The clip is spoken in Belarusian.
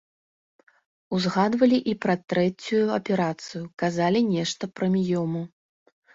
Узгадвалі і пра трэцюю аперацыю, казалі нешта пра міёму.